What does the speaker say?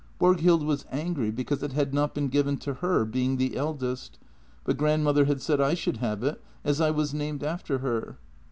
Borghild was angry because it had not been given to her, being the eldest, but grandmother had said I should have it, as I was named after her.